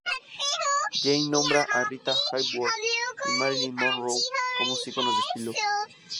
Jayne nombra a Rita Hayworth y Marilyn Monroe como sus iconos de estilo.